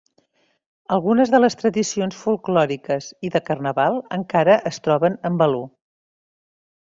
Algunes de les tradicions folklòriques i de carnaval encara es troben en való.